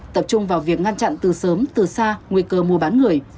tập trung vào việc ngăn chặn từ sớm từ xa nguy cơ mua bán người